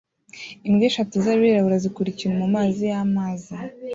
Imbwa eshatu zabirabura zikura ikintu mumazi yamazi